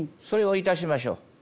それをいたしましょう。